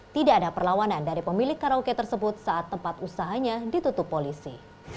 tidak ada perlawanan dari pemilik karaoke tersebut saat tempat usahanya ditutup polisi